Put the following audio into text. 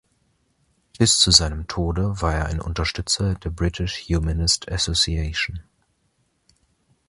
Bis zu seinem Tode war er ein Unterstützer der British Humanist Association.